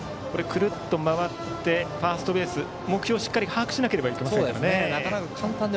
くるっと回ってファーストベースへ目標をしっかり把握しなければいけませんね。